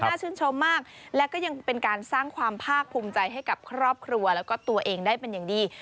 ชื่นชมมากและก็ยังเป็นการสร้างความภาคภูมิใจให้กับครอบครัวแล้วก็ตัวเองได้เป็นอย่างดี